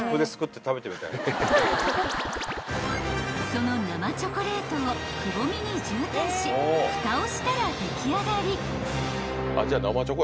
［その生チョコレートをくぼみに充填しふたをしたら出来上がり］